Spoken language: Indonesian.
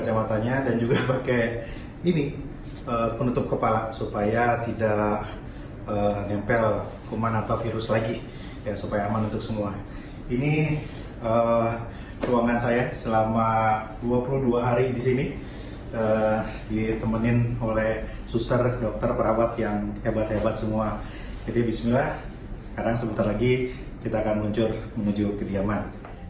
jadi bismillah sekarang sebentar lagi kita akan muncul menuju ke diaman